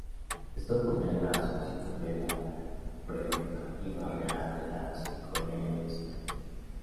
Esto pondría a la solicitud de la prerrogativa real de la Misericordia en espera.